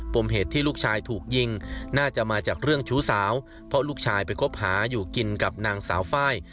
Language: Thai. มเหตุที่ลูกชายถูกยิงน่าจะมาจากเรื่องชู้สาวเพราะลูกชายไปคบหาอยู่กินกับนางสาวไฟล์